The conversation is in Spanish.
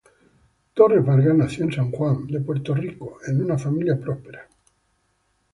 Torres Vargas nació en San Juan, Puerto Rico, en una familia próspera.